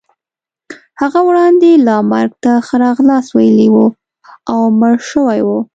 هغه وړاندې لا مرګ ته ښه راغلاست ویلی وو او مړ شوی وو.